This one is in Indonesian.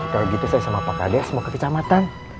kalau gitu saya sama pak kade semoga ke kecamatan